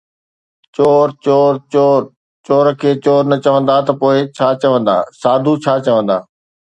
چور، چور، چور، چور کي چور نه چوندا ته پوءِ ڇا چوندا، ساڌو ڇا چوندا؟